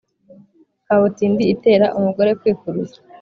kabutindi itera umugore kwikuruza.